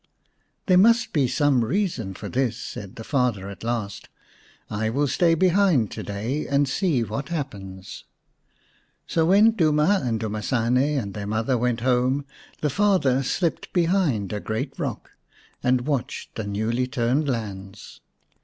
116 x The Fairy Bird ''There must be some reason for this/' said the father at last. " I will stay behind to day, and see what happens." So when Duma and Dumasane and their mother went home the father slipped behind a great rock, and watched the newly turned lands.